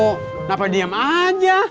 kenapa diam aja